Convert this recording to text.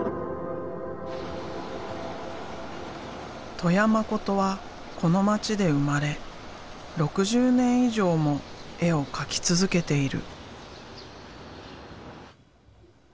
戸谷誠はこの街で生まれ６０年以上も絵を描き続けている。